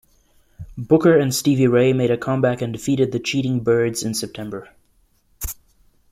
Booker and Stevie Ray made a comeback and defeated the cheating birds in September.